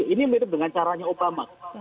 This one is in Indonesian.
ini mirip dengan caranya obama